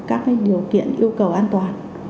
các cái điều kiện yêu cầu an toàn